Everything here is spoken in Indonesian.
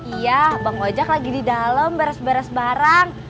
iya bang ojak lagi di dalem beres beres barang